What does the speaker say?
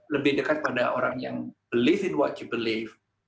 lebih dekat pada orang yang believe in what you believe